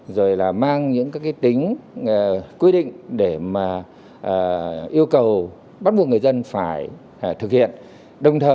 rồi là mang những tính quy định để yêu cầu bắt buộc người dân phải thực hiện